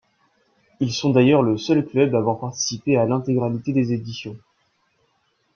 Ils sont d'ailleurs le seul club à avoir participé à l'intégralité des éditions.